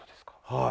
はい。